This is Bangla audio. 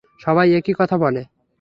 সবাই একি কথা বলে।